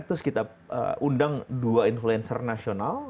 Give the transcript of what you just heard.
terus kita undang dua influencer nasional